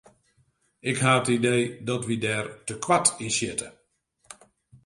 Ik ha it idee dat wy dêr te koart yn sjitte.